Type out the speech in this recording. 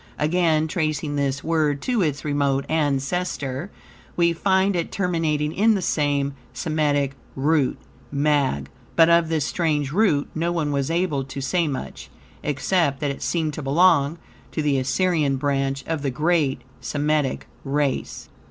Again, tracing this word to its remote ancestor, we find it terminating in the same Semitic root, "mag," but of this strange root no one was able to say much, except that it seemed to belong to the Assyrian branch of the great Semitic race.